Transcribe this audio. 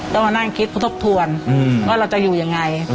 ต้องมานั่งคิดทบทวนว่าเราจะอยู่ยังไง